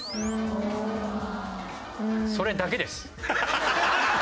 それだけです。